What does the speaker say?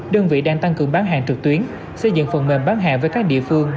đơn vị đang tăng cường bán hàng trực tuyến xây dựng phần mềm bán hàng với các địa phương